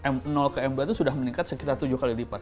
m ke m dua itu sudah meningkat sekitar tujuh kali lipat